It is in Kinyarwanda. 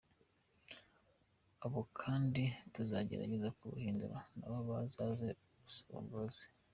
Abo kandi tuzagerageza kubahindura nabo bazaze gusaba imbabazi.